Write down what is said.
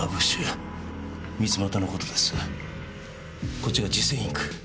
こっちが磁性インク。